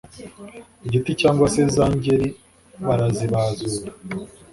Igiti cyangwa se za ngeri, barazibazura,